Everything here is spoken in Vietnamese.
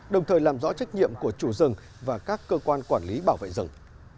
đồng thời làm rõ trách nhiệm của chủ rừng và các cơ quan quản lý bảo vệ rừng